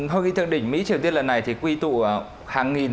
hội nghị thượng đỉnh mỹ triều tiên lần này thì quy tụ hàng nghìn